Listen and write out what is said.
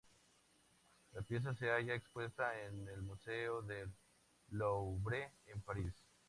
La pieza se halla expuesta en el Museo del Louvre en París.